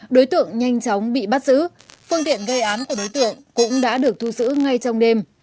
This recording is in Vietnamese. đối tượng nhanh chóng bị bắt giữ phương tiện gây án của đối tượng cũng đã được thu giữ ngay trong đêm